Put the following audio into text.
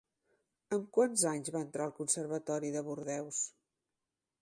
Amb quants anys va entrar al conservatori de Bordeus?